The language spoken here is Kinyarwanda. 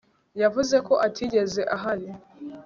Yavuze ko atigeze ahari